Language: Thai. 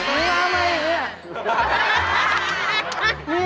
มีงามอะไรอยู่นี่